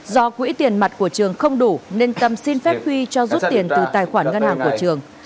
do quỹ tiền mặt của trường không đủ nên tâm xin phép huy cho rút tiền từ tài khoản ngân hàng của trường